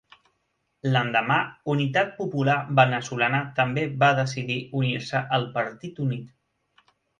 L'endemà Unitat Popular Veneçolana també va decidir unir-se al Partit Unit.